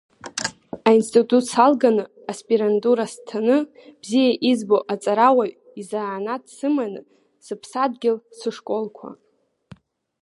Аинститут салганы, аспирантура сҭаны, бзиа избо аҵарауаҩ изанааҭ сыманы, сыԥсадгьыл, сышколқуа…